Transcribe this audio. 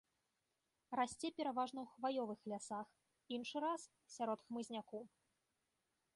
Расце пераважна ў хваёвых лясах, іншы раз сярод хмызняку.